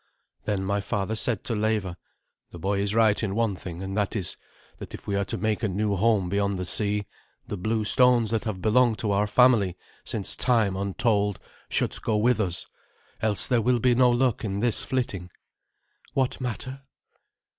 Then my father said to Leva, "The boy is right in one thing, and that is, that if we are to make a new home beyond the sea, the blue stones that have belonged to our family since time untold should go with us, else will there be no luck in this flitting." "What matter?"